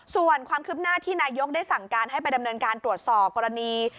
ส่วนความคืบหน้าที่นายกได้สั่งการให้ไปดำเนินการตรวจสอบกรณี